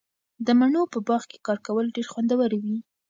د مڼو په باغ کې کار کول ډیر خوندور وي.